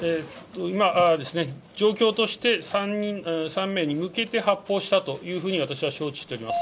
今、状況として、３名に向けて発砲したというふうに私は承知しております。